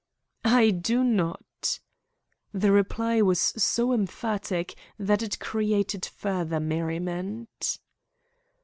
"I do not." The reply was so emphatic that it created further merriment.